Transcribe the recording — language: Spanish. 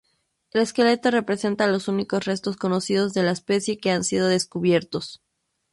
El esqueleto representa los únicos restos conocidos de la especie que han sido descubiertos.